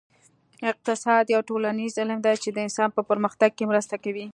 اقتصاد یو ټولنیز علم دی چې د انسان په پرمختګ کې مرسته کوي